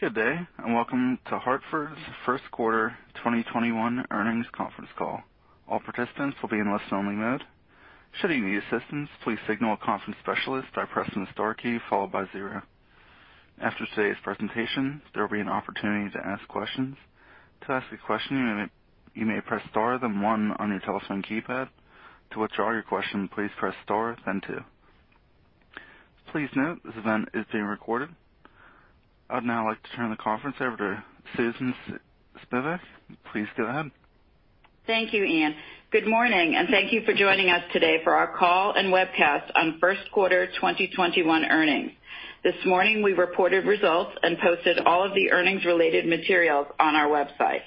Good day, welcome to Hartford's first quarter 2021 earnings conference call. All participants will be in listen-only mode. Should you need assistance, please signal a conference specialist by pressing the star key followed by zero. After today's presentation, there will be an opportunity to ask questions. To ask a question, you may press star then one on your telephone keypad. To withdraw your question, please press star then two. Please note this event is being recorded. I'd now like to turn the conference over to Susan Spivak. Please go ahead. Thank you, Ian. Good morning and thank you for joining us today for our call and webcast on first quarter 2021 earnings. This morning we reported results and posted all of the earnings-related materials on our website.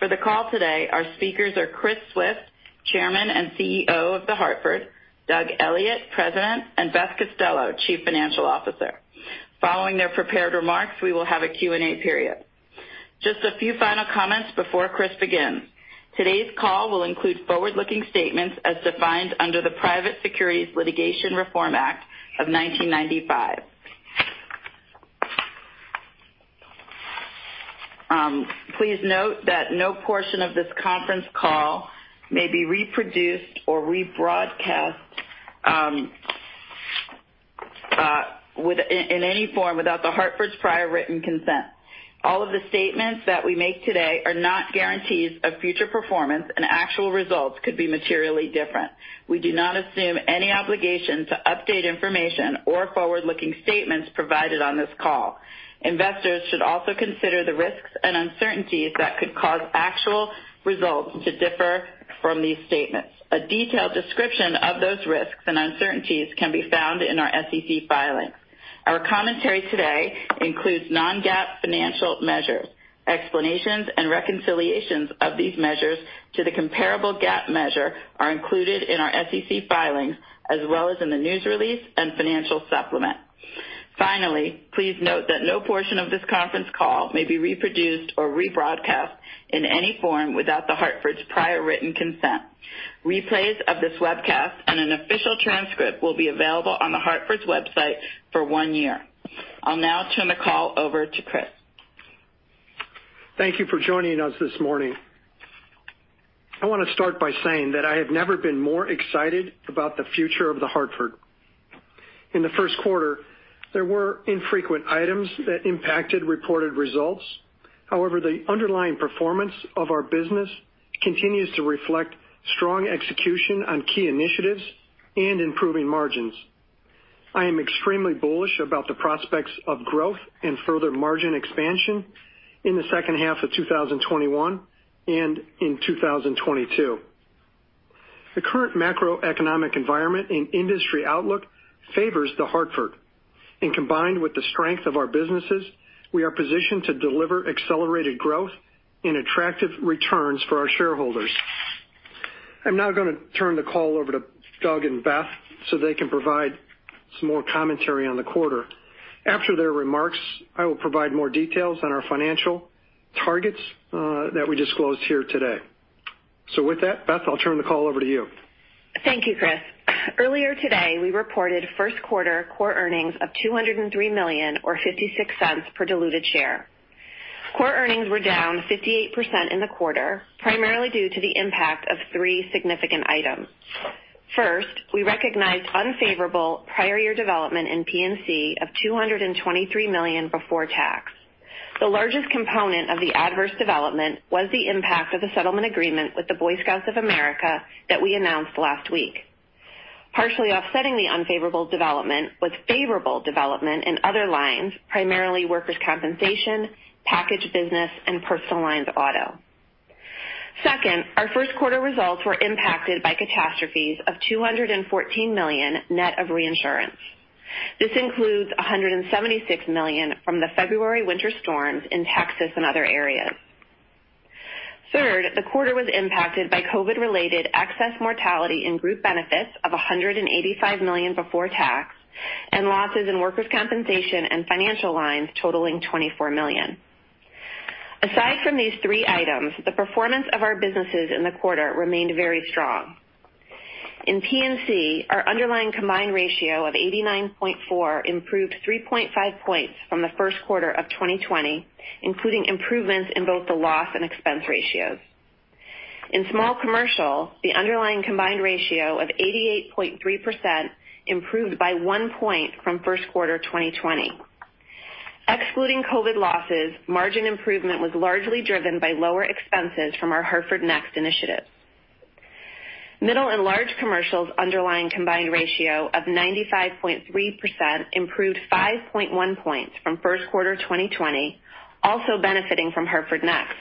For the call today our speakers are Chris Swift, Chairman and CEO of The Hartford, Doug Elliot, President, and Beth Costello, Chief Financial Officer. Following their prepared remarks, we will have a Q&A period. Just a few final comments before Chris begins. Today's call will include forward-looking statements as defined under the Private Securities Litigation Reform Act of 1995. Please note that no portion of this conference call may be reproduced or rebroadcast in any form without The Hartford's prior written consent. All of the statements that we make today are not guarantees of future performance, and actual results could be materially different. We do not assume any obligation to update information or forward-looking statements provided on this call. Investors should also consider the risks and uncertainties that could cause actual results to differ from these statements. A detailed description of those risks and uncertainties can be found in our SEC filings. Our commentary today includes non-GAAP financial measures. Explanations and reconciliations of these measures to the comparable GAAP measure are included in our SEC filings as well as in the news release and financial supplement. Finally, please note that no portion of this conference call may be reproduced or rebroadcast in any form without The Hartford's prior written consent. Replays of this webcast and an official transcript will be available on The Hartford's website for one year. I'll now turn the call over to Chris. Thank you for joining us this morning. I want to start by saying that I have never been more excited about the future of The Hartford. In the first quarter, there were infrequent items that impacted reported results. The underlying performance of our business continues to reflect strong execution on key initiatives and improving margins. I am extremely bullish about the prospects of growth and further margin expansion in the second half of 2021 and in 2022. The current macroeconomic environment and industry outlook favor The Hartford. Combined with the strength of our businesses, we are positioned to deliver accelerated growth and attractive returns for our shareholders. I'm now going to turn the call over to Doug and Beth so they can provide some more commentary on the quarter. After their remarks, I will provide more details on our financial targets that we disclosed here today. With that, Beth, I'll turn the call over to you. Thank you, Chris. Earlier today, we reported first quarter core earnings of $203 million or $0.56 per diluted share. Core earnings were down 58% in the quarter, primarily due to the impact of three significant items. First, we recognized unfavorable prior year development in P&C of $223 million before tax. The largest component of the adverse development was the impact of the settlement agreement with the Boy Scouts of America that we announced last week. Partially offsetting the unfavorable development was a favorable development in other lines, primarily workers' compensation, package business, and personal lines auto. Second, our first quarter results were impacted by catastrophes of $214 million net of reinsurance. This includes $176 million from the February winter storms in Texas and other areas. Third, the quarter was impacted by COVID-related excess mortality in group benefits of $185 million before tax and losses in workers' compensation and financial lines totaling $24 million. Aside from these three items, the performance of our businesses in the quarter remained very strong. In P&C, our underlying combined ratio of 89.4% improved 3.5 points from the first quarter of 2020, including improvements in both the loss and expense ratios. In small commercial, the underlying combined ratio of 88.3% improved by one point from first quarter 2020. Excluding COVID losses, margin improvement was largely driven by lower expenses from our Hartford Next initiative. Middle and large commercial's underlying combined ratio of 95.3% improved 5.1 points from first quarter 2020, also benefiting from Hartford Next.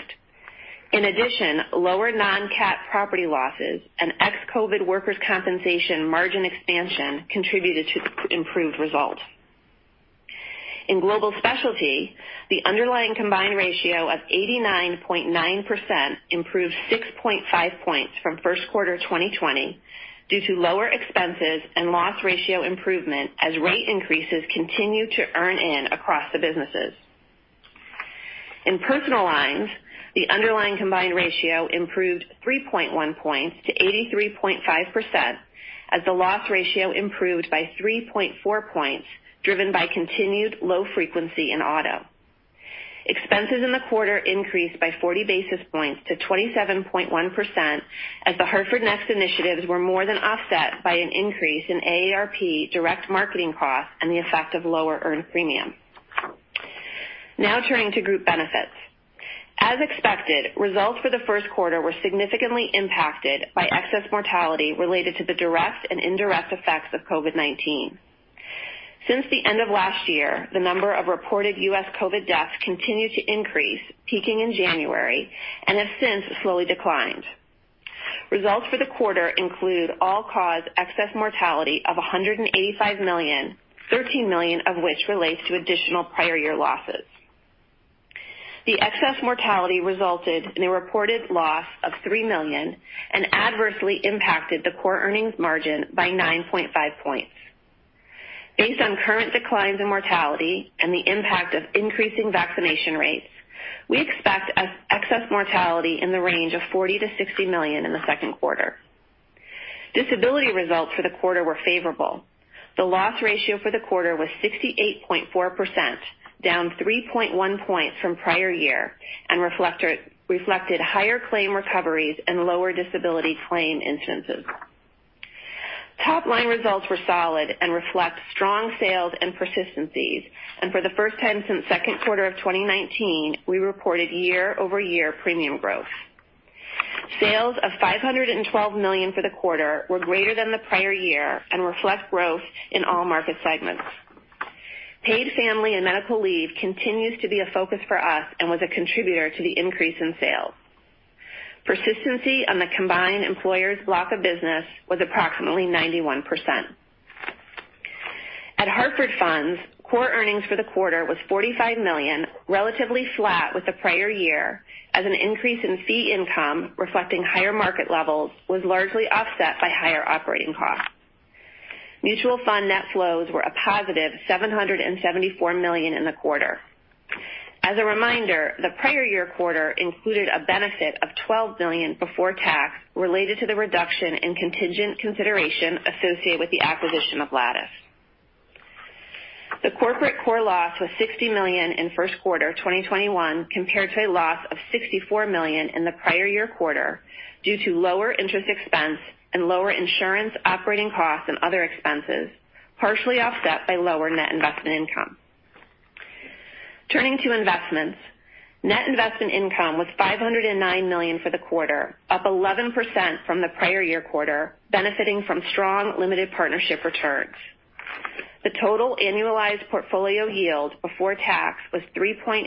In addition, lower non-cat property losses and ex-COVID workers' compensation margin expansion contributed to the improved result. In Global Specialty, the underlying combined ratio of 89.9% improved 6.5 points from first quarter 2020 due to lower expenses and loss ratio improvement as rate increases continue to earn in across the businesses. In personal lines, the underlying combined ratio improved 3.1 points to 83.5% as the loss ratio improved by 3.4 points, driven by continued low frequency in auto. Expenses in the quarter increased by 40 basis points to 27.1%, as Hartford Next initiatives were more than offset by an increase in AARP direct marketing costs and the effect of lower earned premium. Turning to group benefits. As expected, results for the first quarter were significantly impacted by excess mortality related to the direct and indirect effects of COVID-19. Since the end of last year, the number of reported U.S. COVID deaths continued to increase, peaking in January, and have since slowly declined. Results for the quarter include all-cause excess mortality of $185 million, $13 million of which relates to additional prior year losses. The excess mortality resulted in a reported loss of $3 million and adversely impacted the core earnings margin by 9.5 points. Based on current declines in mortality and the impact of increasing vaccination rates, we expect excess mortality in the range of $40 million-$60 million in the second quarter. Disability results for the quarter were favorable. The loss ratio for the quarter was 68.4%, down 3.1 points from prior year, and reflected higher claim recoveries and lower disability claim instances. Top-line results were solid and reflect strong sales and persistencies, and for the first time since the second quarter of 2019, we reported year-over-year premium growth. Sales of $512 million for the quarter were greater than the prior year and reflect growth in all market segments. Paid family and medical leave continues to be a focus for us and was a contributor to the increase in sales. Persistency on the combined employers' block of business was approximately 91%. At Hartford Funds, core earnings for the quarter were $45 million, relatively flat with the prior year, as an increase in fee income reflecting higher market levels was largely offset by higher operating costs. Mutual fund net flows were a positive $774 million in the quarter. As a reminder, the prior year quarter included a benefit of $12 million before tax related to the reduction in contingent consideration associated with the acquisition of Lattice. The corporate core loss was $60 million in first quarter 2021 compared to a loss of $64 million in the prior year quarter, due to lower interest expense and lower insurance operating costs and other expenses, partially offset by lower net investment income. Turning to investments. Net investment income was $509 million for the quarter, up 11% from the prior year quarter, benefiting from strong limited partnership returns. The total annualized portfolio yield before tax was 3.8%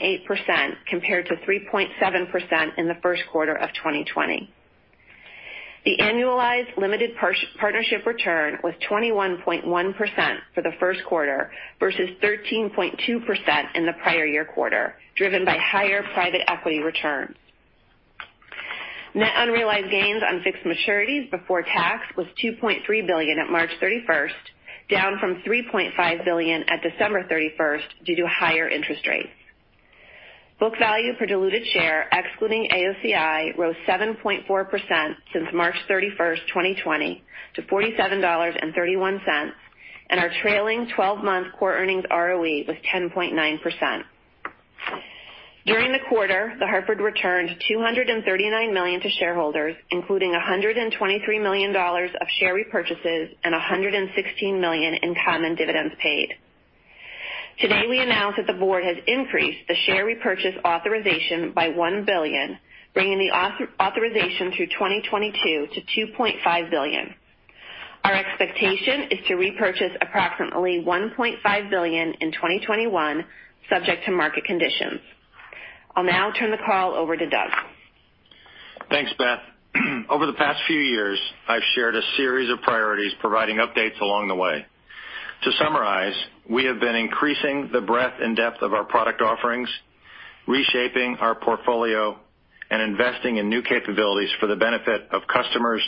compared to 3.7% in the first quarter of 2020. The annualized limited partnership return was 21.1% for the first quarter versus 13.2% in the prior year quarter, driven by higher private equity returns. Net unrealized gains on fixed maturities before tax were $2.3 billion at March 31st, down from $3.5 billion at December 31st due to higher interest rates. Book value per diluted share, excluding AOCI, rose 7.4% since March 31st, 2020 to $47.31, and our trailing 12-month core earnings ROE was 10.9%. During the quarter, The Hartford returned $239 million to shareholders, including $123 million of share repurchases and $116 million in common dividends paid. Today, we announce that the board has increased the share repurchase authorization by $1 billion, bringing the authorization through 2022 to $2.5 billion. Our expectation is to repurchase approximately $1.5 billion in 2021, subject to market conditions. I'll now turn the call over to Doug. Thanks, Beth. Over the past few years, I've shared a series of priorities, providing updates along the way. To summarize, we have been increasing the breadth and depth of our product offerings, reshaping our portfolio, and investing in new capabilities for the benefit of customers,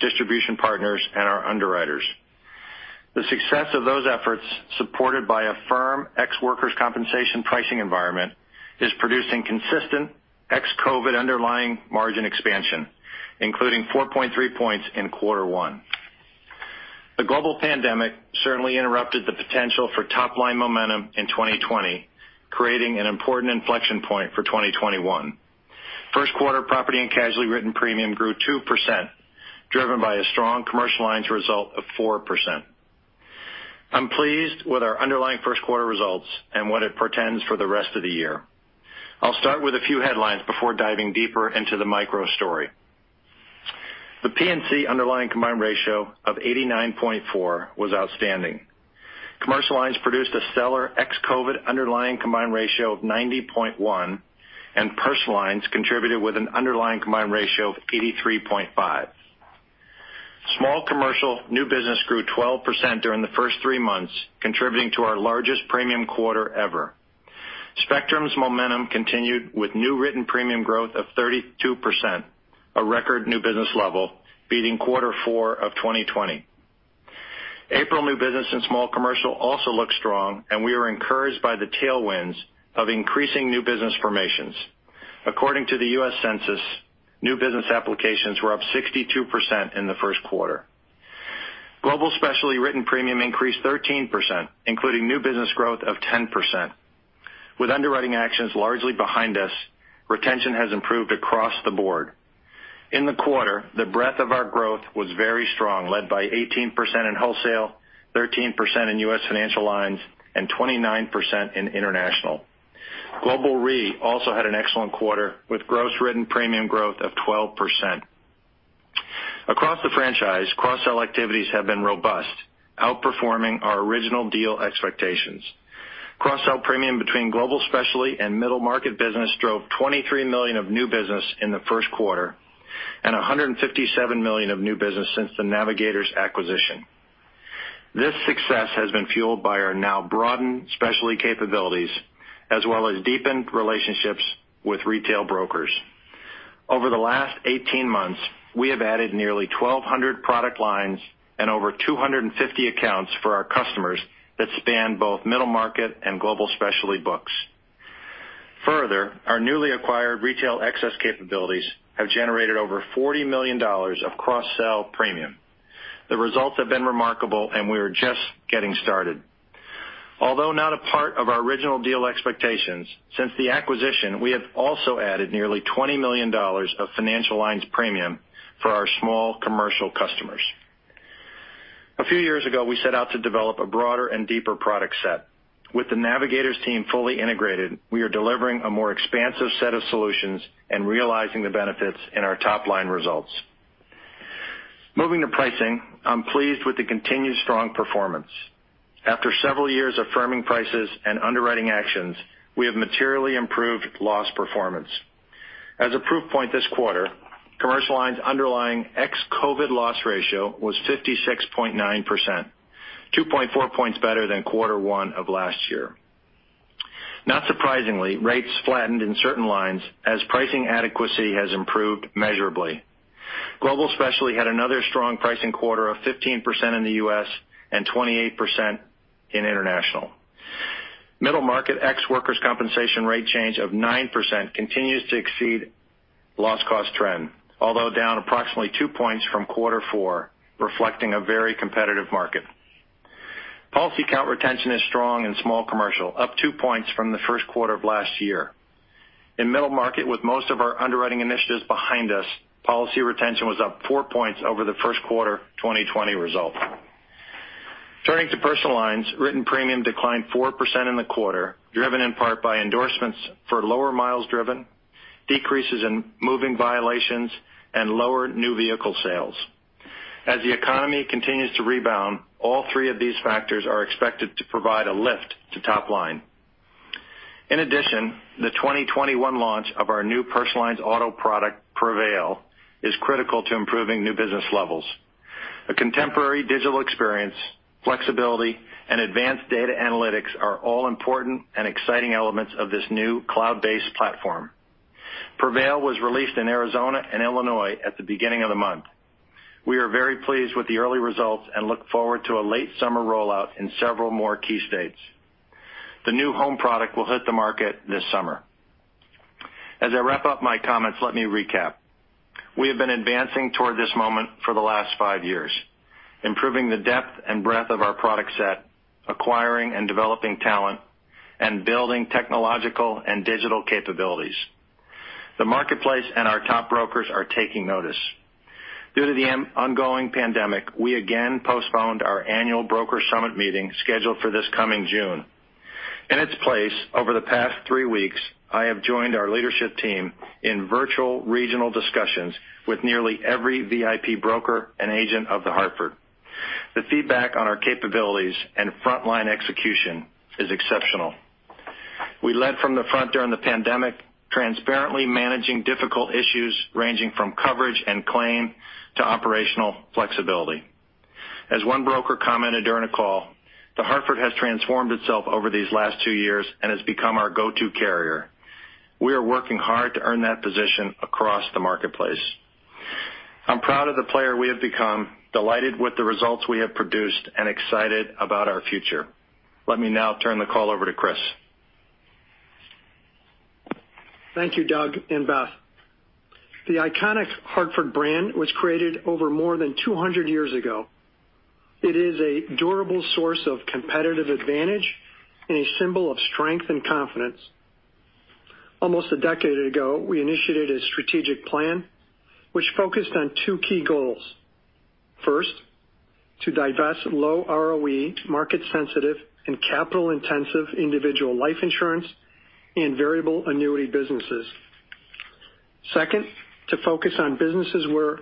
distribution partners, and our underwriters. The success of those efforts, supported by a firm ex-workers' compensation pricing environment, is producing consistent ex-COVID underlying margin expansion, including 4.3 points in quarter one. The global pandemic certainly interrupted the potential for top-line momentum in 2020, creating an important inflection point for 2021. First-quarter property and casualty written premium grew 2%, driven by a strong commercial lines result of 4%. I'm pleased with our underlying first-quarter results and what they portend for the rest of the year. I'll start with a few headlines before diving deeper into the micro story. The P&C underlying combined ratio of 89.4% was outstanding. Commercial lines produced a stellar ex-COVID underlying combined ratio of 90.1%, and personal lines contributed with an underlying combined ratio of 83.5%. Small commercial new businesses grew 12% during the first three months, contributing to our largest premium quarter ever. Spectrum's momentum continued with new written premium growth of 32%, a record new business level, beating quarter four of 2020. April new business and small commercial also look strong, and we are encouraged by the tailwinds of increasing new business formations. According to the U.S. Census, new business applications were up 62% in the first quarter. Global Specialty Written premium increased 13%, including new business growth of 10%. With underwriting actions largely behind us, retention has improved across the board. In the quarter, the breadth of our growth was very strong, led by 18% in wholesale, 13% in U.S. financial lines, and 29% in international. Global Re also had an excellent quarter, with gross written premium growth of 12%. Across the franchise, cross-sell activities have been robust, outperforming our original deal expectations. Cross-sell premiums between Global Specialty and middle-market businesses drove $23 million of new business in the first quarter and $157 million of new business since the Navigators acquisition. This success has been fueled by our now broadened specialty capabilities, as well as deepened relationships with retail brokers. Over the last 18 months, we have added nearly 1,200 product lines and over 250 accounts for our customers that span both middle market and Global Specialty books. Further, our newly acquired retail excess capabilities have generated over $40 million of cross-sell premium. The results have been remarkable. We are just getting started. Although not a part of our original deal expectations, since the acquisition, we have also added nearly $20 million of financial lines premium for our small commercial customers. A few years ago, we set out to develop a broader and deeper product set. With the Navigators team fully integrated, we are delivering a more expansive set of solutions and realizing the benefits in our top-line results. Moving to pricing, I am pleased with the continued strong performance. After several years of firming prices and underwriting actions, we have materially improved loss performance. As a proof point this quarter, commercial lines' underlying ex-COVID loss ratio was 56.9%, 2.4 points better than quarter one of last year. Not surprisingly, rates flattened in certain lines as pricing adequacy has improved measurably. Global Specialty had another strong pricing quarter of 15% in the U.S. and 28% in international. Middle market ex-workers' compensation rate change of 9% continues to exceed loss cost trends, although down approximately two points from quarter four, reflecting a very competitive market. Policy count retention is strong in small commercial, up two points from the first quarter of last year. In the middle market, with most of our underwriting initiatives behind us, policy retention was up four points over the first quarter 2020 result. Turning to personal lines, written premium declined 4% in the quarter, driven in part by endorsements for lower miles driven, decreases in moving violations, and lower new vehicle sales. As the economy continues to rebound, all three of these factors are expected to provide a lift to top line. In addition, the 2021 launch of our new personal lines auto product, Prevail, is critical to improving new business levels. A contemporary digital experience, flexibility, and advanced data analytics are all important and exciting elements of this new cloud-based platform. Prevail was released in Arizona and Illinois at the beginning of the month. We are very pleased with the early results and look forward to a late summer rollout in several more key states. The new home product will hit the market this summer. As I wrap up my comments, let me recap. We have been advancing toward this moment for the last five years, improving the depth and breadth of our product set, acquiring and developing talent, and building technological and digital capabilities. The marketplace and our top brokers are taking notice. Due to the ongoing pandemic, we again postponed our annual broker summit meeting scheduled for this coming June. In its place, over the past three weeks, I have joined our leadership team in virtual regional discussions with nearly every VIP broker and agent of The Hartford. The feedback on our capabilities and frontline execution is exceptional. We led from the front during the pandemic, transparently managing difficult issues ranging from coverage and claims to operational flexibility. As one broker commented during a call, The Hartford has transformed itself over these last two years and has become our go-to carrier. We are working hard to earn that position across the marketplace. I'm proud of the player we have become, delighted with the results we have produced, and excited about our future. Let me now turn the call over to Chris. Thank you, Doug and Beth. The iconic Hartford brand was created over more than 200 years ago. It is a durable source of competitive advantage and a symbol of strength and confidence. Almost a decade ago, we initiated a strategic plan that focused on two key goals. First, to divest low ROE, market-sensitive, and capital-intensive individual life insurance and variable annuity businesses. Second, to focus on businesses where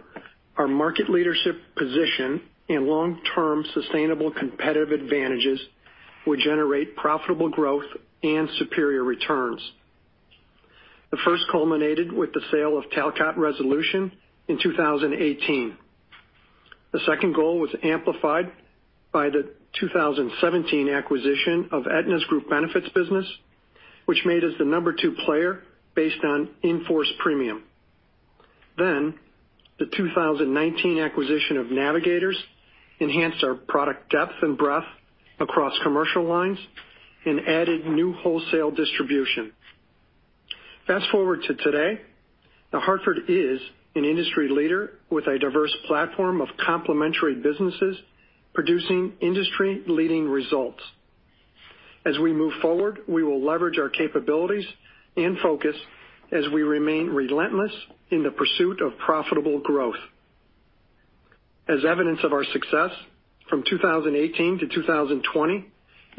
our market leadership position and long-term sustainable competitive advantages would generate profitable growth and superior returns. The first culminated with the sale of Talcott Resolution in 2018. The second goal was amplified by the 2017 acquisition of Aetna's group benefits business, which made us the number two player based on in-force premium. The 2019 acquisition of Navigators enhanced our product depth and breadth across commercial lines and added new wholesale distribution. Fast-forward to today, The Hartford is an industry leader with a diverse platform of complementary businesses producing industry-leading results. As we move forward, we will leverage our capabilities and focus as we remain relentless in the pursuit of profitable growth. As evidence of our success, from 2018-2020,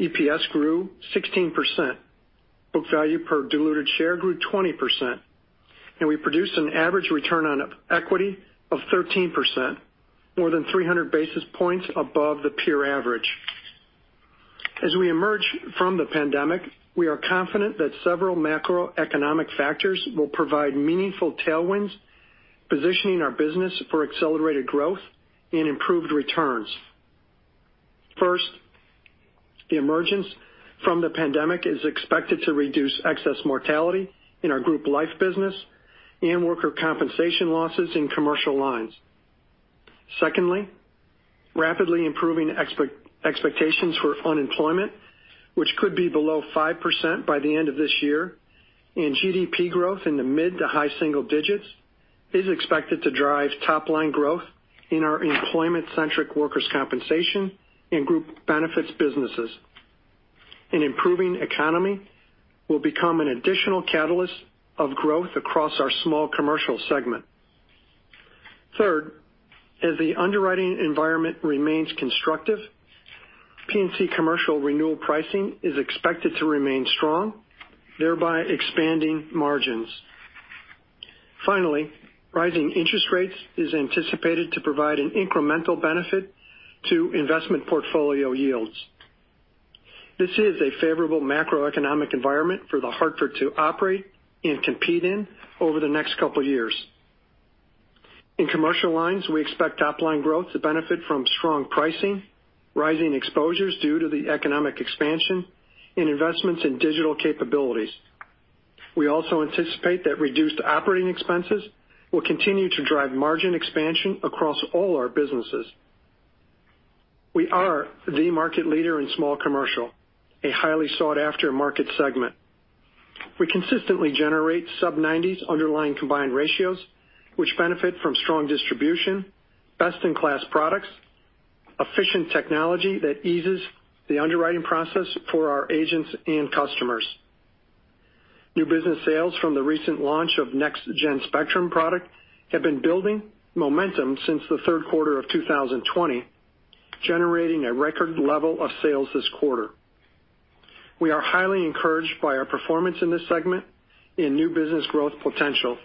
EPS grew 16%, book value per diluted share grew 20%, and we produced an average return on equity of 13%, more than 300 basis points above the peer average. As we emerge from the pandemic, we are confident that several macroeconomic factors will provide meaningful tailwinds, positioning our business for accelerated growth and improved returns. First, the emergence from the pandemic is expected to reduce excess mortality in our Group Life business and worker compensation losses in Commercial Lines. Secondly, rapidly improving expectations for unemployment, which could be below 5% by the end of this year, and GDP growth in the mid to high single digits is expected to drive top-line growth in our employment-centric workers' compensation and group benefits businesses. An improving economy will become an additional catalyst of growth across our small commercial segment. Third, as the underwriting environment remains constructive, P&C Commercial renewal pricing is expected to remain strong, thereby expanding margins. Finally, rising interest rates are anticipated to provide an incremental benefit to investment portfolio yields. This is a favorable macroeconomic environment for The Hartford to operate and compete in over the next couple of years. In Commercial Lines, we expect top-line growth to benefit from strong pricing, rising exposures due to the economic expansion, and investments in digital capabilities. We also anticipate that reduced operating expenses will continue to drive margin expansion across all our businesses. We are the market leader in small commercial, a highly sought-after market segment. We consistently generate sub-90s underlying combined ratios, which benefit from strong distribution, best-in-class products, and efficient technology that eases the underwriting process for our agents and customers. New business sales from the recent launch of Next Gen Spectrum product have been building momentum since the third quarter of 2020, generating a record level of sales this quarter. We are highly encouraged by our performance in this segment and new business growth potential.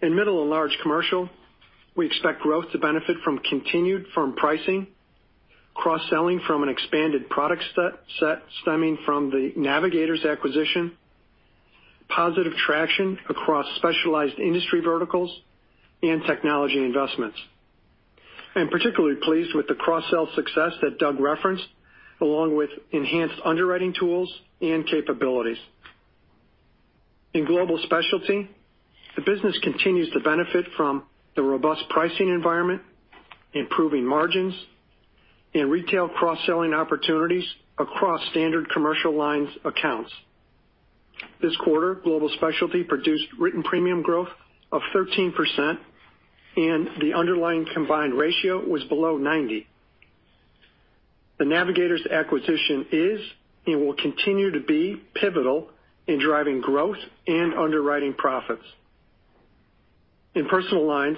In Middle & Large Commercial, we expect growth to benefit from continued firm pricing, cross-selling from an expanded product set stemming from the Navigators acquisition, positive traction across specialized industry verticals, and technology investments. I'm particularly pleased with the cross-sell success that Doug referenced, along with enhanced underwriting tools and capabilities. In Global Specialty, the business continues to benefit from the robust pricing environment, improving margins, and retail cross-selling opportunities across standard commercial line accounts. This quarter, Global Specialty produced written premium growth of 13%, and the underlying combined ratio was below 90. The Navigators acquisition is and will continue to be pivotal in driving growth and underwriting profits. In Personal Lines,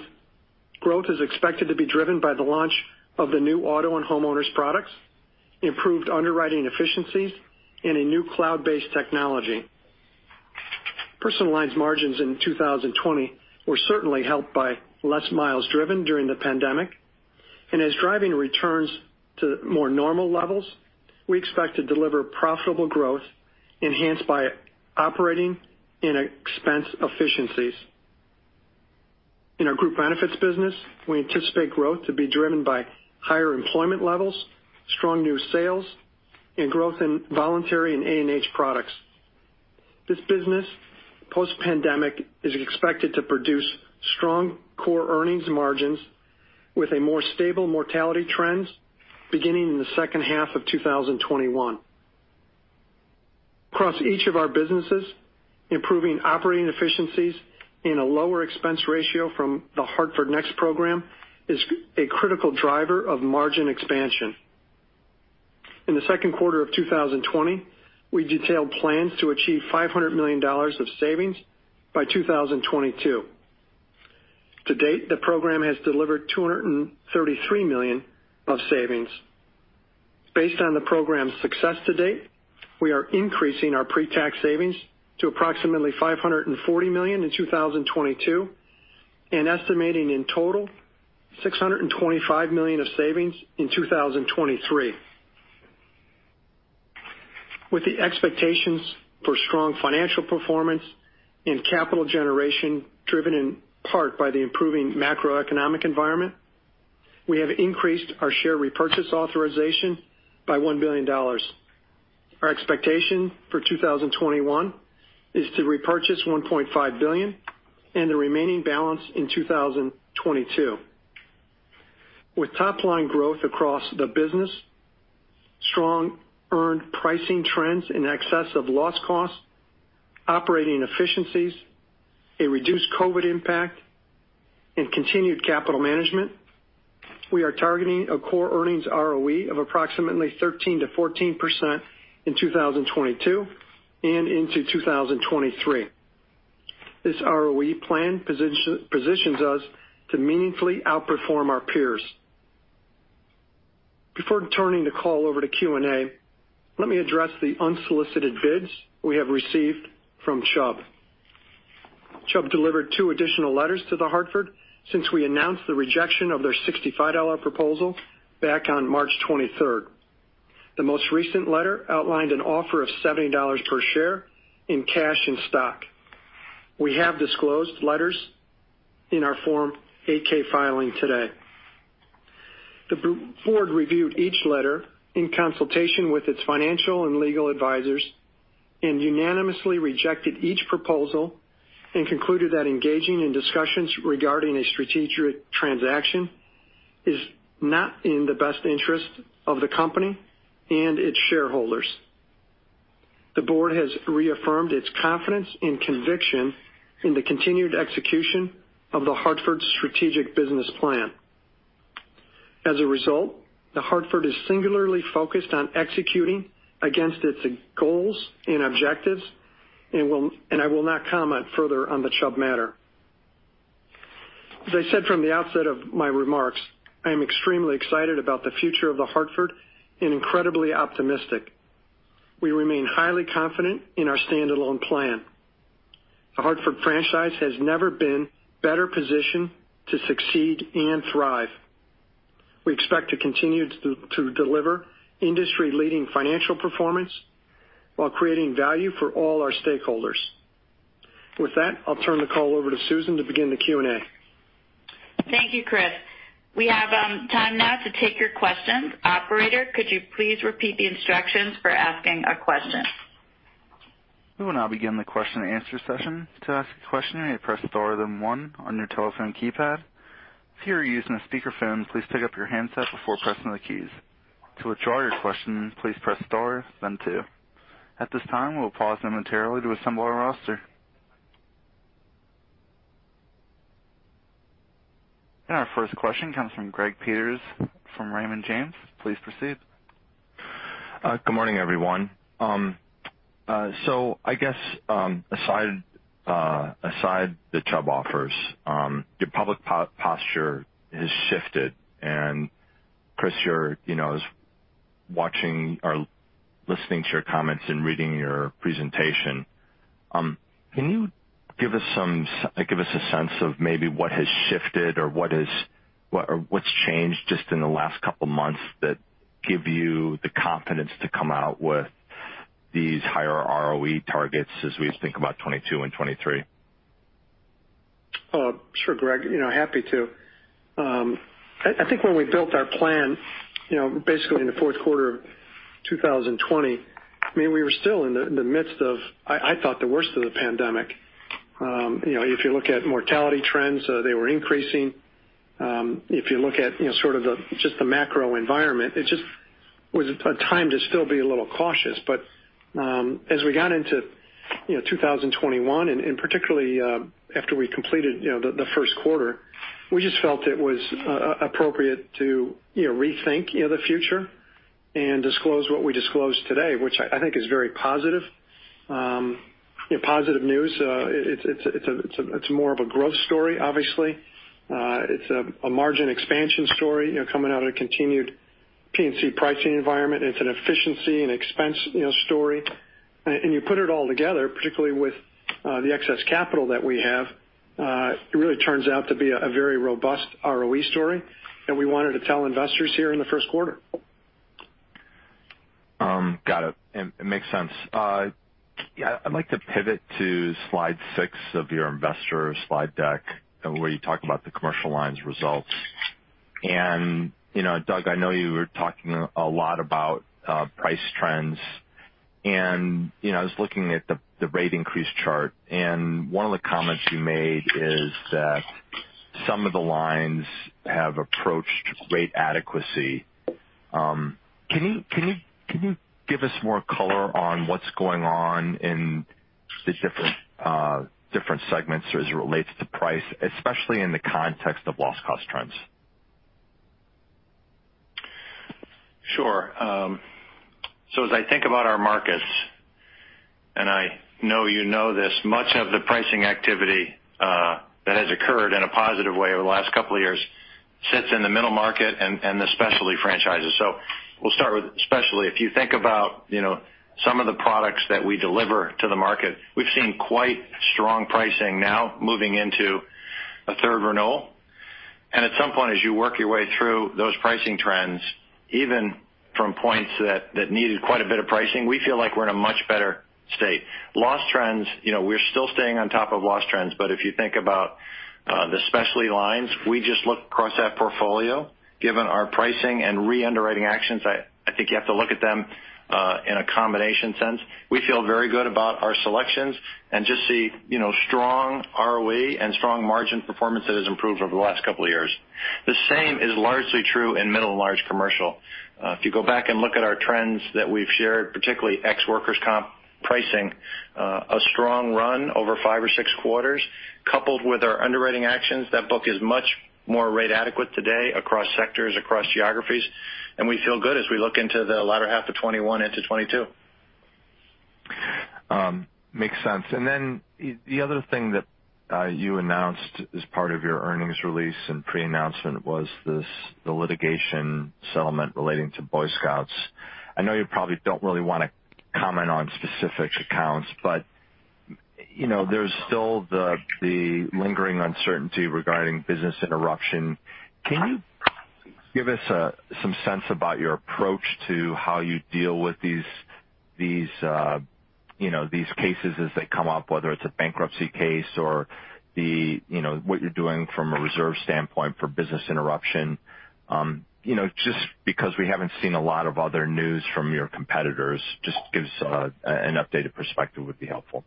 growth is expected to be driven by the launch of the new auto and homeowners products, improved underwriting efficiencies, and a new cloud-based technology. Personal Lines margins in 2020 were certainly helped by less miles driven during the pandemic. As driving returns to more normal levels, we expect to deliver profitable growth enhanced by operating and expense efficiencies. In our Group Benefits business, we anticipate growth to be driven by higher employment levels, strong new sales, and growth in voluntary and A&H products. This business, post-pandemic, is expected to produce strong core earnings margins with a more stable mortality trend beginning in the second half of 2021. Across each of our businesses, improving operating efficiencies and a lower expense ratio from the Hartford Next program is a critical driver of margin expansion. In the second quarter of 2020, we detailed plans to achieve $500 million of savings by 2022. To date, the program has delivered $233 million of savings. Based on the program's success to date, we are increasing our pre-tax savings to approximately $540 million in 2022 and estimating a total of $625 million in savings in 2023. With expectations for strong financial performance and capital generation driven in part by the improving macroeconomic environment, we have increased our share repurchase authorization by $1 billion. Our expectation for 2021 is to repurchase $1.5 billion and the remaining balance in 2022. With top-line growth across the business, strong earned pricing trends in excess of loss costs, operating efficiencies, a reduced COVID impact, and continued capital management, we are targeting a core ROE of approximately 13%-14% in 2022 and into 2023. This ROE plan positions us to meaningfully outperform our peers. Before turning the call over to Q&A, let me address the unsolicited bids we have received from Chubb. Chubb delivered two additional letters to The Hartford since we announced the rejection of their $65 proposal back on March 23rd. The most recent letter outlined an offer of $70 per share in cash and stock. We have disclosed letters in our Form 8-K filing today. The board reviewed each letter in consultation with its financial and legal advisors and unanimously rejected each proposal and concluded that engaging in discussions regarding a strategic transaction is not in the best interest of the company and its shareholders. The board has reaffirmed its confidence and conviction in the continued execution of The Hartford's strategic business plan. The Hartford is singularly focused on executing against its goals and objectives, and I will not comment further on the Chubb matter. I am extremely excited about the future of The Hartford and incredibly optimistic. We remain highly confident in our stand-alone plan. The Hartford franchise has never been better positioned to succeed and thrive. We expect to continue to deliver industry-leading financial performance while creating value for all our stakeholders. With that, I'll turn the call over to Susan to begin the Q&A. Thank you, Chris. We have time now to take your questions. Operator, could you please repeat the instructions for asking a question? We will now begin the question and answer session. To ask a question, you may press star one on your telephone keypad. If you're using speakerphone, please pick up your handset before pressing the key. To withdraw your question, please press star and two. At this time we will pause momentarily to assemble our roster. Our first question comes from Greg Peters from Raymond James. Please proceed. Good morning, everyone. I guess aside the Chubb offers, your public posture has shifted. Chris, I was listening to your comments and reading your presentation. Can you give us a sense of maybe what has shifted or what's changed just in the last couple of months that gives you the confidence to come out with these higher ROE targets as we think about 2022 and 2023? Sure, Greg, happy to. I think when we built our plan, basically in the fourth quarter of 2020, we were still in the midst of, I thought, the worst of the pandemic. If you look at mortality trends, they were increasing. If you look at, sort of, just the macro environment, it just was a time to still be a little cautious. As we got into 2021, and particularly after we completed the first quarter, we just felt it was appropriate to rethink the future and disclose what we disclosed today, which I think is very positive news. It's more of a growth story, obviously. It's a margin expansion story coming out of a continued P&C pricing environment. It's an efficiency and expense story. You put it all together, particularly with the excess capital that we have; it really turns out to be a very robust ROE story that we wanted to tell investors here in the first quarter. Got it. It makes sense. I'd like to pivot to slide six of your investor slide deck where you talk about the Commercial Lines results. Doug, I know you were talking a lot about price trends, and I was looking at the rate increase chart, and one of the comments you made is that some of the lines have approached rate adequacy. Can you give us more color on what's going on in the different segments as it relates to price, especially in the context of loss cost trends? Sure. As I think about our markets, and I know you know this, much of the pricing activity that has occurred in a positive way over the last couple of years sits in the middle market and the specialty franchises. We'll start with specialty. If you think about some of the products that we deliver to the market, we've seen quite strong pricing now moving into a third renewal. At some point, as you work your way through those pricing trends, even from points that needed quite a bit of pricing, we feel like we're in a much better state. Loss trends: we're still staying on top of loss trends, but if you think about the specialty lines, we just look across that portfolio, given our pricing and re-underwriting actions, I think you have to look at them in a combination sense. We feel very good about our selections and just see strong ROE and strong margin performance that has improved over the last couple of years. The same is largely true in middle and large commercial. If you go back and look at our trends that we've shared, particularly ex-workers' comp pricing, a strong run over five or six quarters, coupled with our underwriting actions, that book is much more rate adequate today across sectors and across geographies, and we feel good as we look into the latter half of 2021 into 2022. Makes sense. The other thing that you announced as part of your earnings release and pre-announcement was the litigation settlement relating to Boy Scouts. I know you probably don't really want to comment on specific accounts, but there's still the lingering uncertainty regarding business interruption. Can you give us some sense about your approach to how you deal with these cases as they come up, whether it's a bankruptcy case or what you're doing from a reserve standpoint for business interruption? Just because we haven't seen a lot of other news from your competitors, just giving us an updated perspective would be helpful.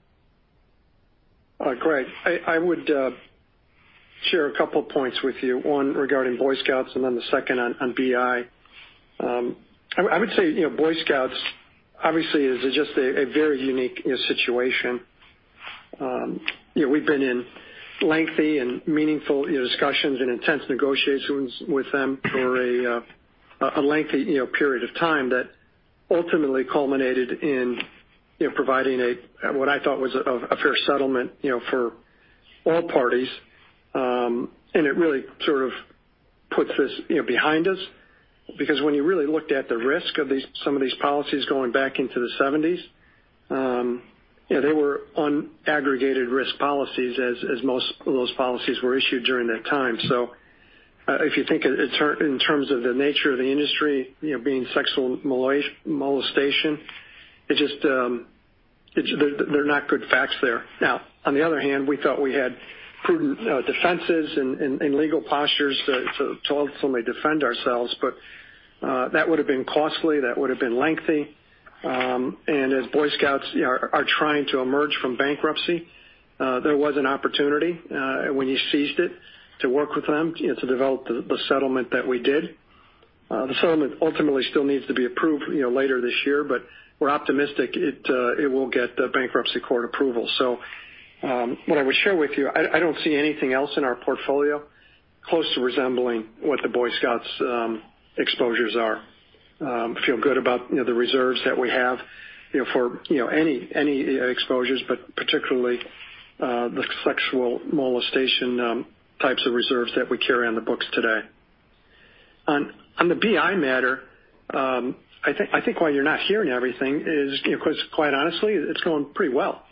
Great. I would share a couple points with you, one regarding Boy Scouts and then the second on BI. I would say Boy Scouts obviously is just a very unique situation. We've been in lengthy and meaningful discussions and intense negotiations with them for a lengthy period of time that ultimately culminated in providing what I thought was a fair settlement for all parties. It really sort of puts this behind us, because when you really looked at the risk of some of these policies going back into the '70s, they were aggregated risk policies, as most of those policies were issued during that time. If you think in terms of the nature of the industry, sexual molestation, they're not good facts there. On the other hand, we thought we had prudent defenses and legal postures to ultimately defend ourselves, but that would've been costly; that would've been lengthy. As Boy Scouts are trying to emerge from bankruptcy, there was an opportunity, and we seized it to work with them to develop the settlement that we did. The settlement ultimately still needs to be approved later this year, but we're optimistic it will get the bankruptcy court approval. What I would share with you, I don't see anything else in our portfolio close to resembling what the Boy Scouts' exposures are. I feel good about the reserves that we have for any exposures, but particularly the sexual molestation types of reserves that we carry on the books today. On the BI matter, I think why you're not hearing everything is because, quite honestly, it's going pretty well.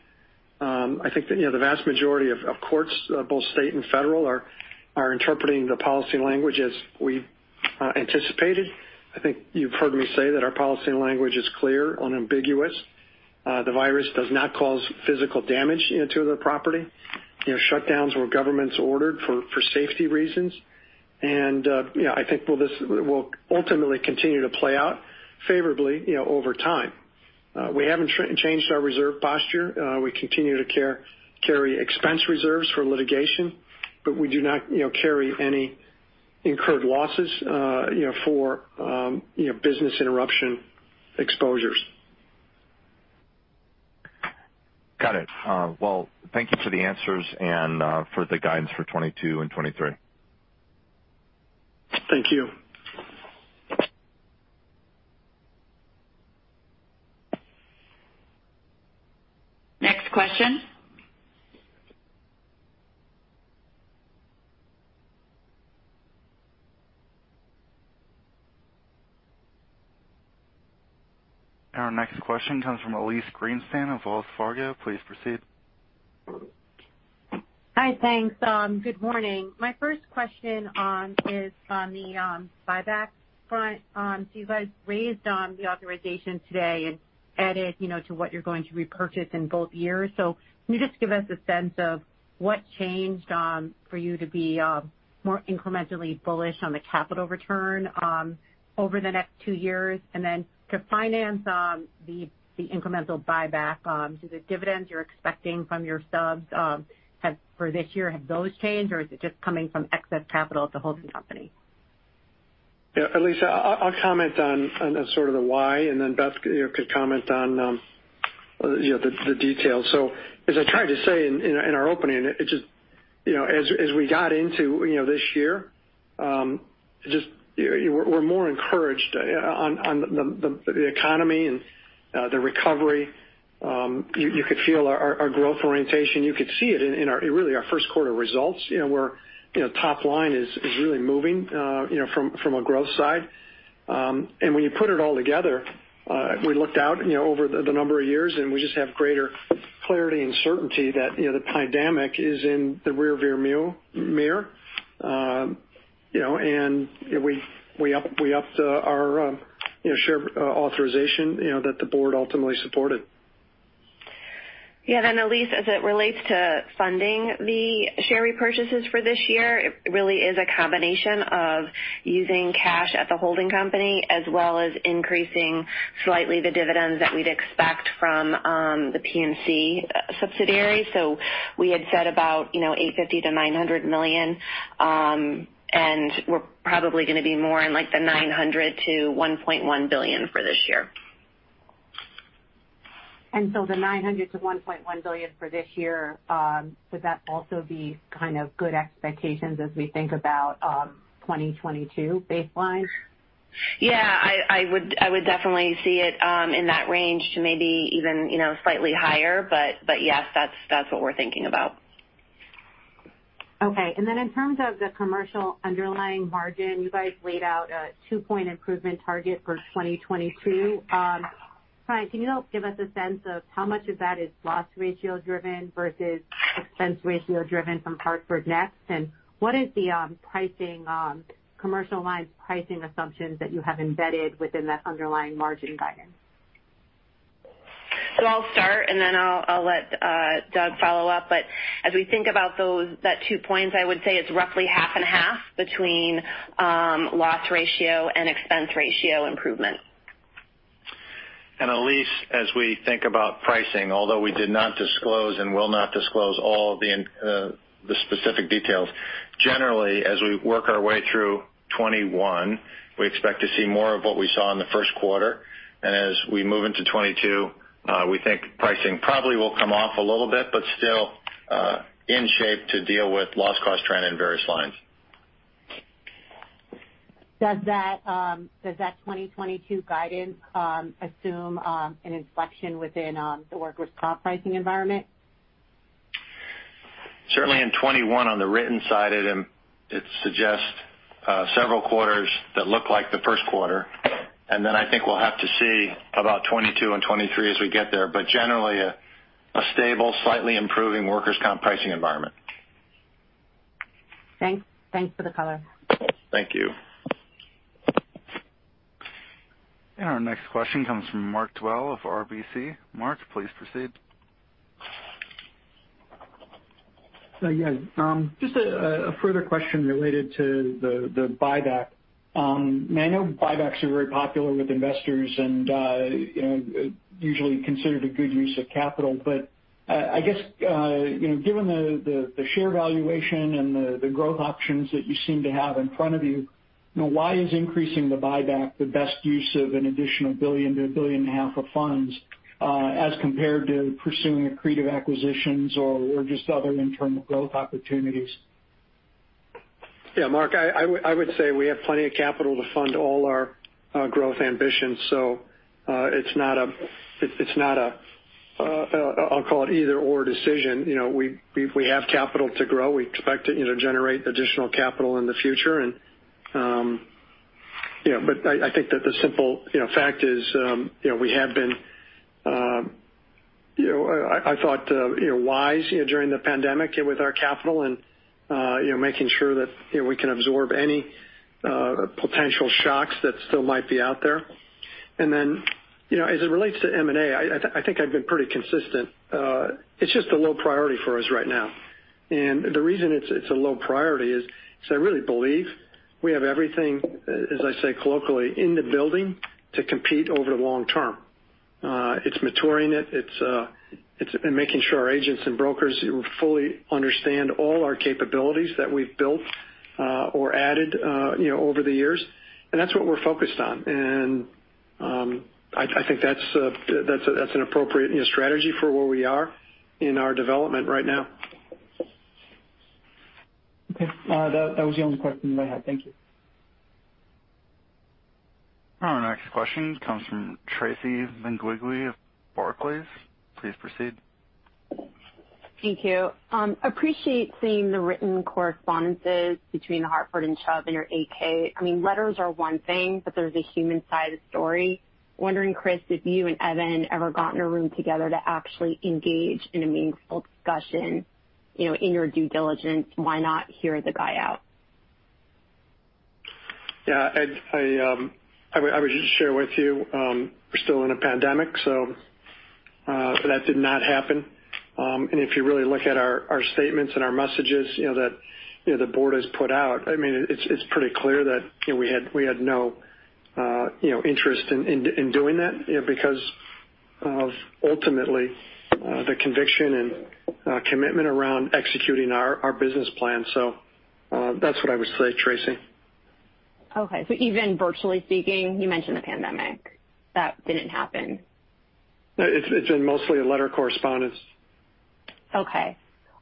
I think that the vast majority of courts, both state and federal, are interpreting the policy language as we anticipated. I think you've heard me say that our policy language is clear and unambiguous. The virus does not cause physical damage to the property. Shutdowns were government-ordered for safety reasons. I think this will ultimately continue to play out favorably over time. We haven't changed our reserve posture. We continue to carry expense reserves for litigation, but we do not carry any incurred losses for business interruption exposures. Got it. Well, thank you for the answers and for the guidance for 2022 and 2023. Thank you. Next question. Our next question comes from Elyse Greenspan of Wells Fargo. Please proceed. Hi, thanks. Good morning. My first question is on the buyback front. You guys raised the authorization today and added to what you're going to repurchase in both years. Can you just give us a sense of what changed for you to be more incrementally bullish on the capital return over the next two years? Then to finance the incremental buyback, the dividends you're expecting from your subs for this year—have those changed, or is it just coming from excess capital at the holding company? Yeah, Elyse, I'll comment on sort of the why, and then Beth could comment on the details. As I tried to say in our opening, as we got into this year, we're more encouraged about the economy and the recovery. You could feel our growth orientation. You could see it in really our first quarter results, where top line is really moving from a growth side. When you put it all together, we looked out over the number of years, and we just have greater clarity and certainty that the pandemic is in the rearview mirror. We upped our share authorization that the board ultimately supported. Elyse, as it relates to funding the share repurchases for this year, it really is a combination of using cash at the holding company as well as increasing slightly the dividends that we'd expect from the P&C subsidiary. We had said about $850 million-$900 million, and we're probably going to be more in like the $900-$1.1 billion range for this year. The $900-$1.1 billion for this year, would that also be kind of good expectations as we think about the 2022 baseline? Yeah, I would definitely see it in that range to maybe even slightly higher. Yes, that's what we're thinking about. Okay. In terms of the commercial underlying margin, you guys laid out a two-point improvement target for 2022. Beth, can you give us a sense of how much of that is loss-ratio-driven versus expense-ratio-driven from Hartford Next? What are the commercial lines pricing assumptions that you have embedded within that underlying margin guidance? I'll start, and then I'll let Doug follow up. As we think about those two points, I would say it's roughly half and half between loss ratio and expense ratio improvement. Elyse, as we think about pricing, although we did not disclose and will not disclose all the specific details, generally, as we work our way through 2021, we expect to see more of what we saw in the first quarter. As we move into 2022, we think pricing probably will come off a little bit but still be in shape to deal with the low-cost trend in various lines. Does that 2022 guidance assume an inflection within the workers' comp pricing environment? Certainly, in 2021 on the written side, it suggests several quarters that look like the first quarter. Then I think we'll have to see about 2022 and 2023 as we get there. Generally, a stable, slightly improving workers' comp pricing environment. Thanks for the color. Thank you. Our next question comes from Mark Dwelle of RBC. Mark, please proceed. Just a further question related to the buyback. I know buybacks are very popular with investors and usually considered a good use of capital, but I guess given the share valuation and the growth options that you seem to have in front of you, why is increasing the buyback the best use of an additional $1 billion-$1.5 billion of funds as compared to pursuing accretive acquisitions or just other internal growth opportunities? Yeah, Mark, I would say we have plenty of capital to fund all our growth ambitions. It's not an I'll-call-it-either/or decision. We have capital to grow. We expect to generate additional capital in the future. I think that the simple fact is we have been, I thought, wise during the pandemic with our capital and making sure that we could absorb any potential shocks that still might be out there. As it relates to M&A, I think I've been pretty consistent. It's just a low priority for us right now. The reason it's a low priority is I really believe we have everything, as I say colloquially, in the building to compete over the long term. It's maturing. It's making sure our agents and brokers fully understand all our capabilities that we've built or added over the years. That's what we're focused on, and I think that's an appropriate strategy for where we are in our development right now. Okay. That was the only question that I had. Thank you. Our next question comes from Tracy Benguigui of Barclays. Please proceed. Thank you. Appreciate seeing the written correspondences between The Hartford and Chubb in your 8-K. Letters are one thing, but there's a human side of the story. Wondering, Chris, if you and Evan ever got in a room together to actually engage in a meaningful discussion in your due diligence? Why not hear the guy out? Yeah. I would just share with you we're still in a pandemic, so that did not happen. If you really look at our statements and our messages that the board has put out, it's pretty clear that we had no interest in doing that because of, ultimately, the conviction and commitment around executing our business plan. That's what I would say, Tracy. Okay. Even virtually speaking, you mentioned the pandemic; that didn't happen. It's been mostly letter correspondence. Okay.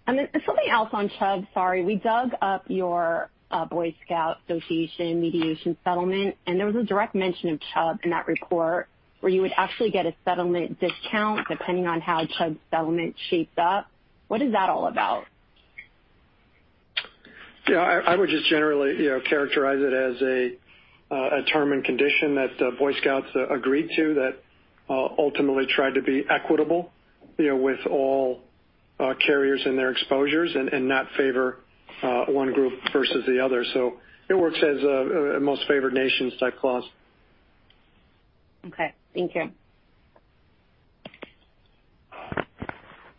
Something else on Chubb. Sorry. We dug up your Boy Scouts of America mediation settlement, and there was a direct mention of Chubb in that report where you would actually get a settlement discount depending on how Chubb's settlement shaped up. What is that all about? I would just generally characterize it as a term and condition that Boy Scouts agreed to that ultimately tried to be equitable with all carriers and their exposures and not favor one group versus the other. It works as a most-favored-nation type clause. Okay. Thank you.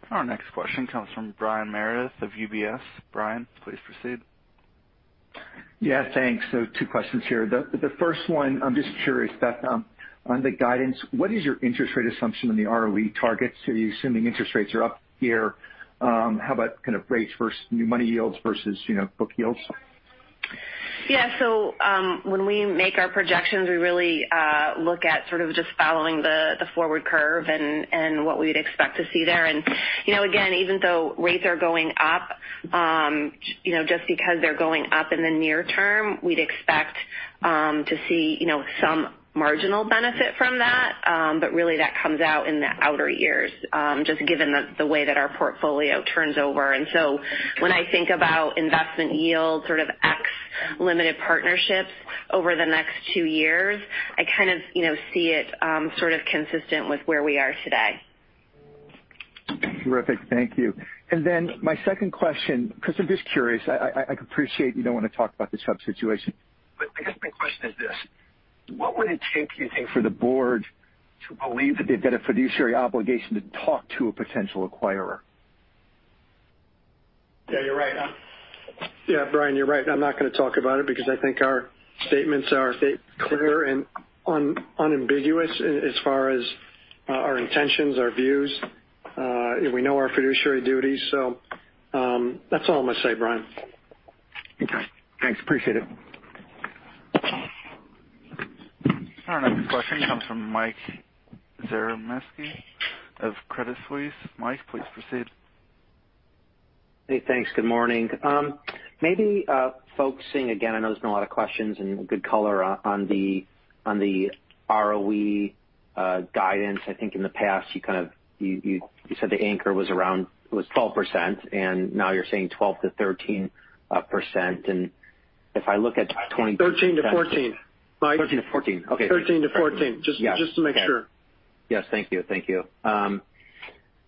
Our next question comes from Brian Meredith of UBS. Brian, please proceed. Yeah, thanks. Two questions here. The first one, I'm just curious, Beth, on the guidance, what is your interest rate assumption on the ROE targets? Are you assuming interest rates are up here? How about kind of rates versus new money yields versus book yields? When we make our projections, we really look at sort of just following the forward curve and what we'd expect to see there. Again, even though rates are going up, just because they're going up in the near term, we'd expect to see some marginal benefit from that. Really, that comes out in the outer years, just given the way that our portfolio turns over. When I think about investment yield from sort of X limited partnerships over the next two years, I kind of see it as sort of consistent with where we are today. Terrific. Thank you. My second question, because I'm just curious, and I appreciate you don't want to talk about the Chubb situation, but I guess my question is this: What would it take, you think, for the board to believe that they've got a fiduciary obligation to talk to a potential acquirer? Yeah, you're right. Yeah, Brian, you're right. I'm not going to talk about it because I think our statements are clear and unambiguous as far as our intentions and our views. We know our fiduciary duties. That's all I'm going to say, Brian. Okay. Thanks. Appreciate it. Our next question comes from Michael Zaremski of Credit Suisse. Mike, please proceed. Hey, thanks. Good morning. Maybe focusing again, I know there's been a lot of questions and good color on the ROE guidance. I think in the past, you said the anchor was around 12%, and now you're saying 12%-13%. If I look at 20%- 13%-14%. 13%-14%. Okay. 13%-14%. Yes. Okay. Just to make sure. Yes. Thank you. Been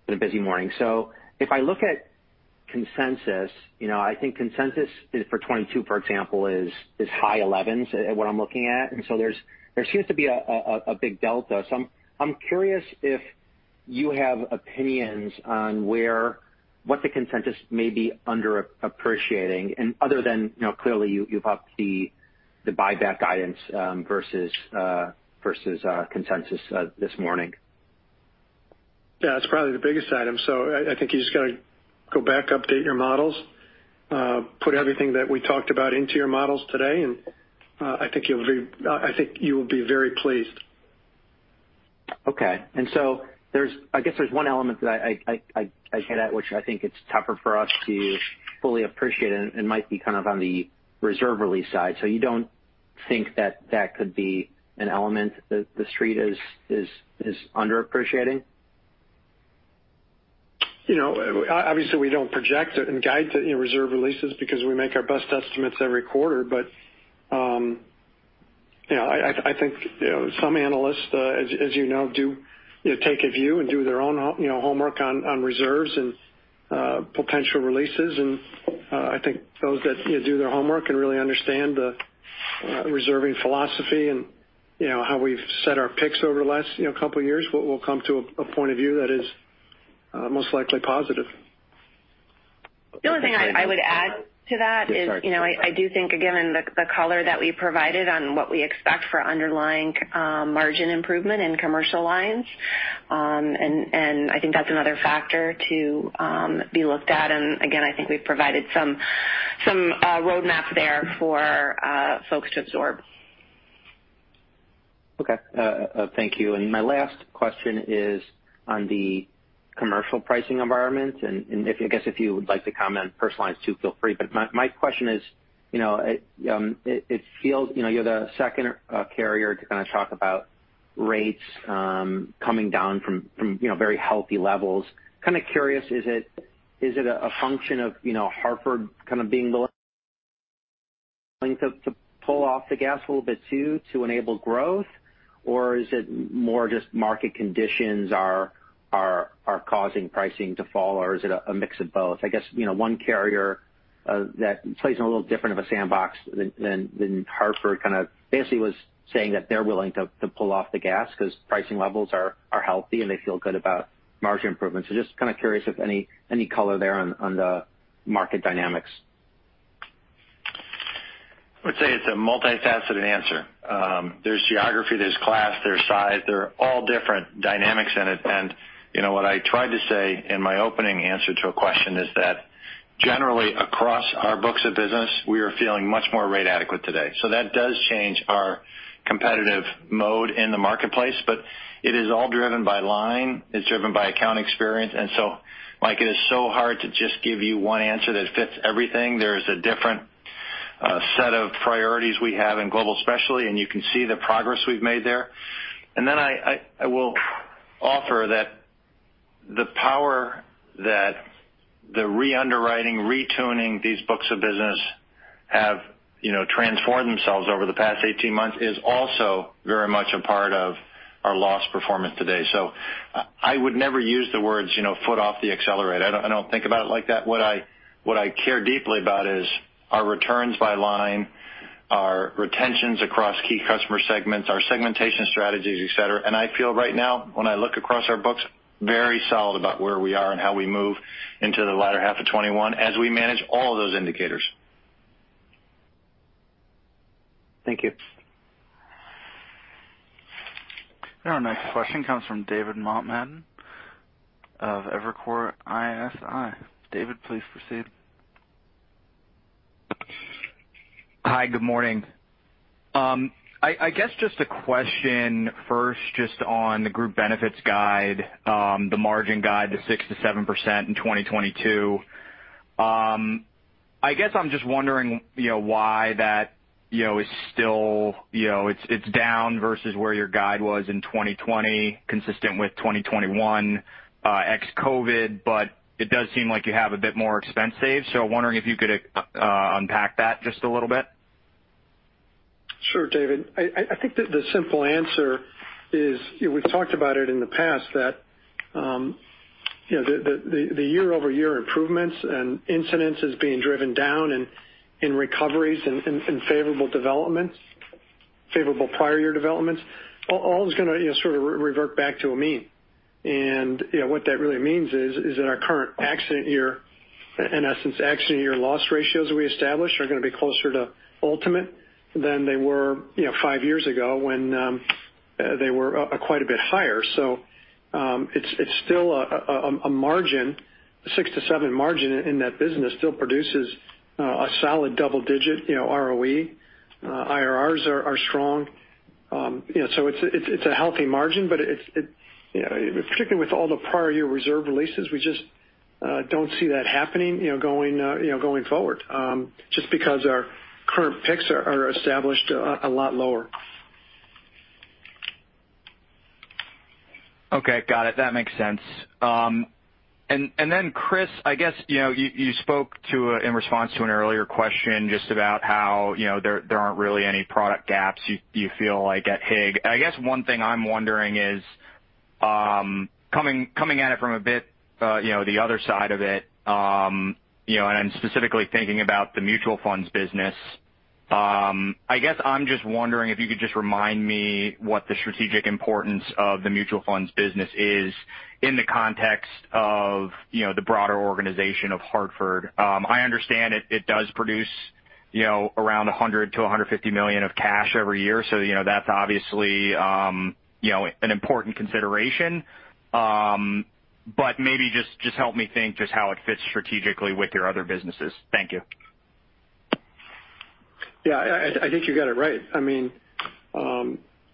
a busy morning. If I look at consensus, I think consensus for 2022, for example, is high elevens for what I'm looking at. There seems to be a big delta. I'm curious if you have opinions on what the consensus may be underappreciating, and other than clearly, you've upped the buyback guidance versus consensus this morning. Yeah, it's probably the biggest item. I think you just have to go back, update your models, and put everything that we talked about into your models today, and I think you'll be very pleased. Okay. I guess there's one element that I hit at, which I think is tougher for us to fully appreciate and might be kind of on the reserve release side. You don't think that could be an element that The Street is underappreciating? Obviously, we don't project it and guide reserve releases because we make our best estimates every quarter. I think some analysts, as you know, do take a view and do their own homework on reserves and potential releases. I think those that do their homework and really understand the reserving philosophy and how we've set our picks over the last couple of years will come to a point of view that is most likely positive. The only thing I would add to that is. Sorry I do think, again, the color that we provided on what we expect for underlying margin improvement in commercial lines, and I think that's another factor to be looked at. Again, I think we've provided some roadmap there for folks to absorb. Okay. Thank you. My last question is on the commercial pricing environment. I guess if you would like to comment personally too, feel free. My question is, it feels like you're the second carrier to kind of talk about rates coming down from very healthy levels. Kind of curious, is it a function of Hartford kind of being the length to pull off the gas a little bit too to enable growth? Or are market conditions are causing pricing to fall, or is it a mix of both? I guess one carrier that plays in a little different of a sandbox than Hartford kind of basically was saying that they're willing to pull off the gas because pricing levels are healthy, and they feel good about margin improvements. Just kind of curious if any color to the market dynamics. I would say it's a multifaceted answer. There's geography, there's class, there's size—there are all different dynamics in it. What I tried to say in my opening answer to a question is that generally across our books of business, we are feeling much more rate adequate today. That does change our competitive mode in the marketplace. It is all driven by line; it's driven by account experience. Michael, it is so hard to just give you one answer that fits everything. There is a different set of priorities we have in Global Specialty, and you can see the progress we've made there. I will offer that the power that the re-underwriting and retuning these books of business Have transformed themselves over the past 18 months is also very much a part of our loss performance today. I would never use the words "foot off the accelerator." I don't think about it like that. What I care deeply about is our returns by line, our retentions across key customer segments, our segmentation strategies, et cetera. I feel right now, when I look across our books, very solid about where we are and how we move into the latter half of 2021 as we manage all of those indicators. Thank you. Our next question comes from David Motemaden of Evercore ISI. David, please proceed. Hi. Good morning. I guess just a question first just on the group benefits guide, the margin guide, the 6%-7% in 2022. I guess I'm just wondering why that is still down versus where your guide was in 2020, consistent with 2021, ex-COVID, but it does seem like you have a bit more expense saved, so I'm wondering if you could unpack that just a little bit. Sure, David. I think that the simple answer is we've talked about it in the past: the year-over-year improvements and incidences being driven down and recoveries and favorable prior-year developments all is going to sort of revert back to a mean. What that really means is that our current accident year, in essence, accident year loss ratios we established are going to be closer to ultimate than they were five years ago, when they were quite a bit higher. It's still a margin; a 6%-7% margin in that business still produces a solid double-digit ROE. IRRs are strong. It's a healthy margin, but particularly with all the prior-year reserve releases, we just don't see that happening going forward, just because our current picks are established a lot lower. Okay. Got it. That makes sense. Then Chris, I guess, you spoke in response to an earlier question just about how there aren't really any product gaps you feel like at HIG. I guess one thing I'm wondering is, coming at it from a bit of the other side of it, and I'm specifically thinking about the mutual funds business. I guess I'm just wondering if you could just remind me what the strategic importance of the mutual funds business is in the context of the broader organization of The Hartford. I understand it does produce around $100 million-$150 million of cash every year, so that's obviously an important consideration. Maybe just help me think about just how it fits strategically with your other businesses. Thank you. Yeah, I think you got it right.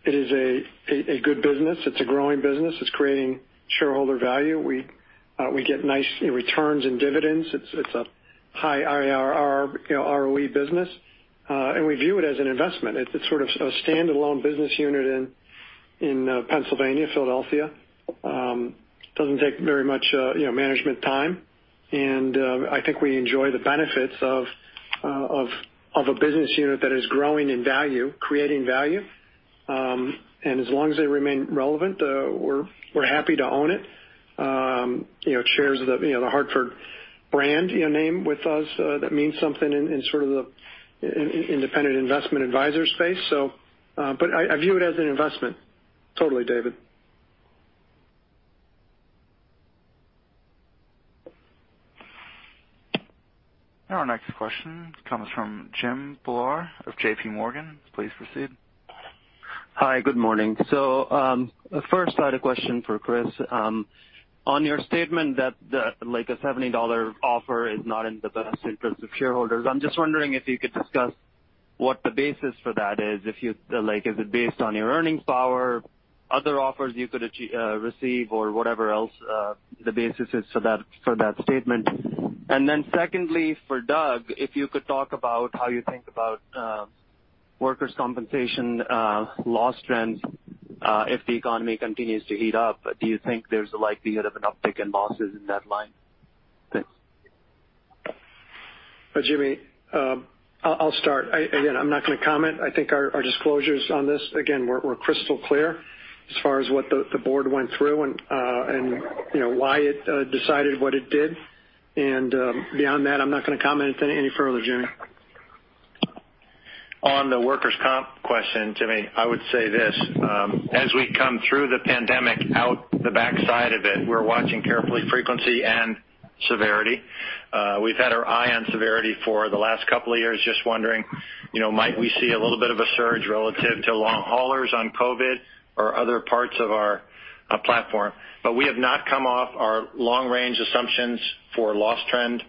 It is a good business. It's a growing business. It's creating shareholder value. We get nice returns in dividends. It's a high IRR, ROE business. We view it as an investment. It's sort of a standalone business unit in Pennsylvania, Philadelphia. Doesn't take very much management time. I think we enjoy the benefits of a business unit that is growing in value, creating value. As long as they remain relevant, we're happy to own it. Shares The Hartford brand name with us, which means something in the sort of the independent investment advisor space. I view it as an investment. Totally, David. Our next question comes from Jimmy Bhullar of JPMorgan. Please proceed. Hi. Good morning. First I had a question for Chris. On your statement that the $70 offer is not in the best interest of shareholders, I'm just wondering if you could discuss what the basis for that is. Is it based on your earnings power, other offers you could receive, or whatever else the basis is for that statement? Secondly, for Doug, if you could talk about how you think about workers' compensation loss trends if the economy continues to heat up. Do you think there's a likelihood of an uptick in losses in that line? Thanks. Jimmy, I'll start. Again, I'm not going to comment. I think our disclosures on this, again, were crystal clear as far as what the board went through and why it decided what it did. Beyond that, I'm not going to comment any further, Jimmy. On the workers' comp question, Jimmy, I would say this. As we come through the pandemic, out the backside of it, we're watching carefully frequency and severity. We've had our eye on severity for the last couple of years, just wondering might we see a little bit of a surge relative to long-haulers on COVID or other parts of our platform. We have not come off our long-range assumptions for loss trends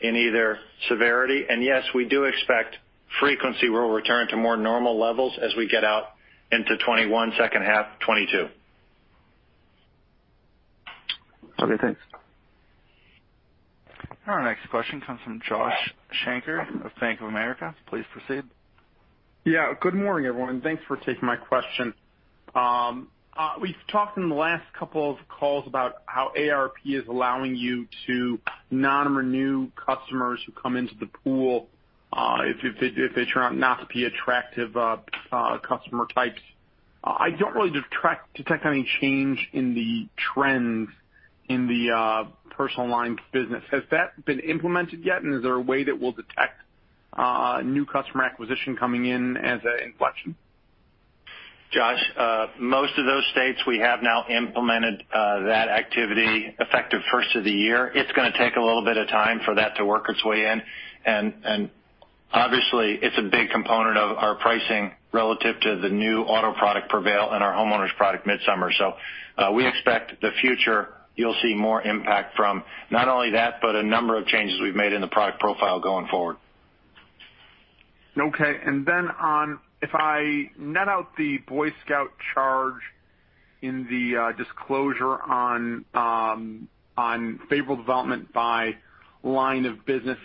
in either severity. Yes, we do expect frequency will return to more normal levels as we get out into 2021, the second half of 2022. Okay, thanks. Our next question comes from Josh Shanker of Bank of America. Please proceed. Yeah. Good morning, everyone. Thanks for taking my question. We've talked in the last couple of calls about how AARP is allowing you to non-renew customers who come into the pool if they turn out not to be attractive customer types. I don't really detect any change in the trends in the personal lines business. Has that been implemented yet, and is there a way that we'll detect new customer acquisition coming in as an inflection? Josh, in most of those states, we have now implemented that activity effective the first of the year. It's going to take a little bit of time for that to work its way in. Obviously, it's a big component of our pricing relative to the new auto product Prevail and our homeowners product midsummer. We expect the future; you'll see more impact from not only that but also a number of changes we've made in the product profile going forward. Okay. If I net out the Boy Scout charge in the disclosure on favorable development by line of business,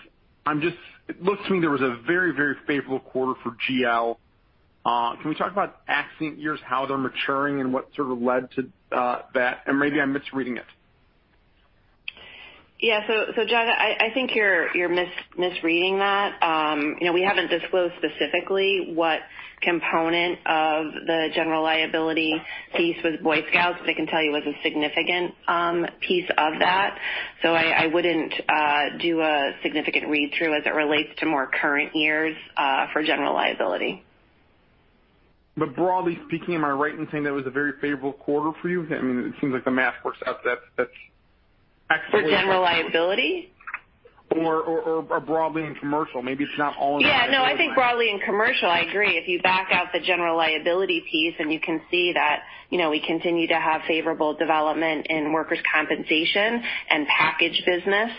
it looks to me like there was a very favorable quarter for GL. Can we talk about accident years, how they're maturing, and what sort of led to that? Maybe I'm misreading it. Josh, I think you're misreading that. We haven't disclosed specifically what component of the general liability piece was Boy Scouts, but I can tell you it was a significant piece of that. I wouldn't do a significant read-through as it relates to more current years for general liability. Broadly speaking, am I right in saying that was a very favorable quarter for you? It seems like the math works out. For general liability? Broadly in commercial. Maybe it's not all in liability. Yeah, no. I think broadly in commercial; I agree. If you back out the general liability piece, you can see that we continue to have favorable development in workers' compensation and package business.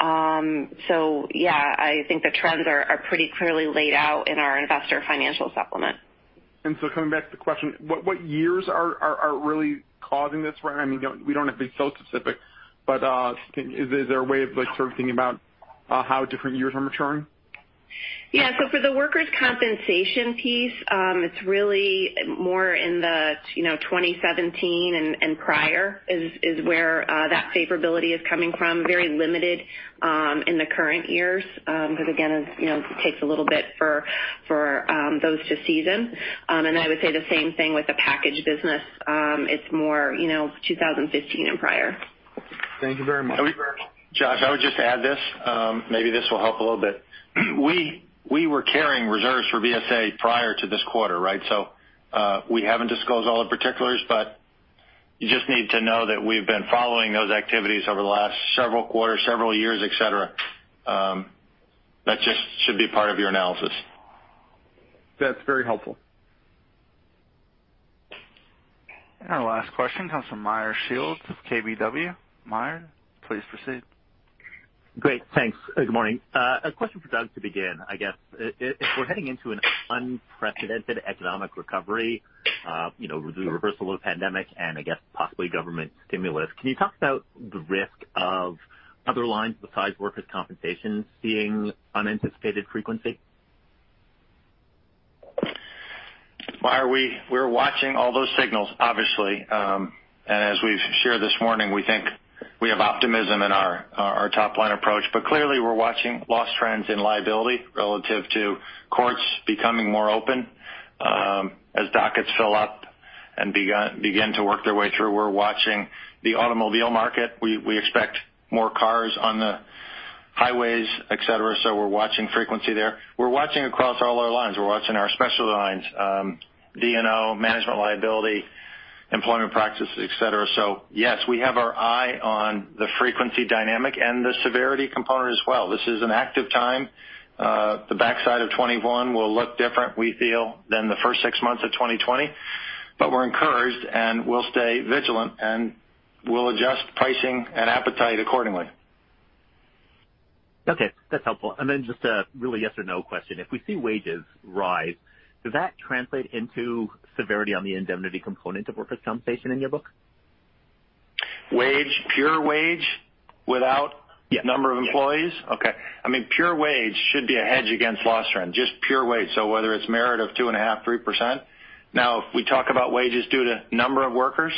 Yeah, I think the trends are pretty clearly laid out in our investor financial supplement. Coming back to the question, what years are really causing this? We don't have to be so specific, but is there a way of sort of thinking about how different years are maturing? Yeah. For the workers' compensation piece, it's really more in 2017 and prior; that's where that favorability is coming from. Very limited in the current years because, again, it takes a little bit for those to season. I would say the same thing with the package business. It's more 2015 and prior. Thank you very much. Josh, I would just add this. Maybe this will help a little bit. We were carrying reserves for BSA prior to this quarter, right? We haven't disclosed all the particulars, but you just need to know that we've been following those activities over the last several quarters, several years, et cetera. That just should be part of your analysis. That's very helpful. Our last question comes from Meyer Shields of KBW. Meyer, please proceed. Great. Thanks. Good morning. A question for Doug to begin, I guess. If we're heading into an unprecedented economic recovery, with the reversal of the pandemic and I guess possibly government stimulus, can you talk about the risk of other lines besides workers' compensation seeing unanticipated frequency? Meyer, we're watching all those signals, obviously. As we've shared this morning, we think we have optimism in our top-line approach. Clearly, we're watching loss trends in liability relative to courts becoming more open as dockets fill up and begin to work their way through. We're watching the automobile market. We expect more cars on the highways, et cetera; we're watching frequency there. We're watching across all our lines. We're watching our specialty lines, D&O, management liability, employment practices, et cetera. Yes, we have our eye on the frequency dynamic and the severity component as well. This is an active time. The backside of 2021 will look different, we feel, than the first six months of 2020. We're encouraged, and we'll stay vigilant, and we'll adjust pricing and appetite accordingly. Okay. That's helpful. Then just a really yes-or-no question. If we see wages rise, does that translate into severity on the indemnity component of workers' compensation in your book? Pure wage. Yeah Number of employees? Okay. Pure wage should be a hedge against loss trends, just pure wage, whether it's a merit of 2.5% or 3%. If we talk about wages due to the number of workers,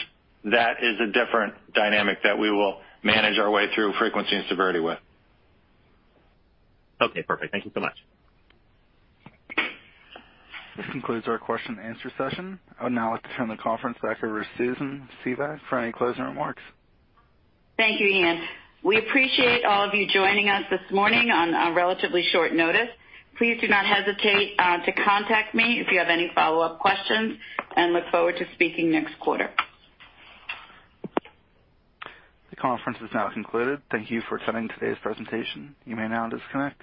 that is a different dynamic that we will manage our way through frequency and severity with. Okay, perfect. Thank you so much. This concludes our question and answer session. I would now like to turn the conference back over to Susan Spivak for any closing remarks. Thank you, Ian. We appreciate all of you joining us this morning on relatively short notice. Please do not hesitate to contact me if you have any follow-up questions, and I look forward to speaking next quarter. The conference is now concluded. Thank you for attending today's presentation. You may now disconnect.